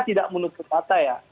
tidak menutup mata ya